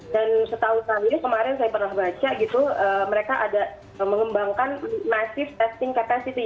dan setahun tadi kemarin saya pernah baca gitu mereka ada mengembangkan massive testing capacity